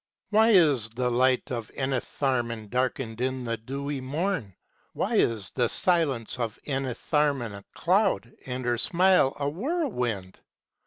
Why is the light of Enitharmon darkened in the dewy morn ? Why is the silence of Enitharmon a cloud, and her smile a whirlwind